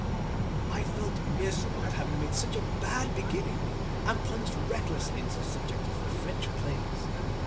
I felt miserable at having made such a bad beginning, and plunged recklessly into the subject of the French plays.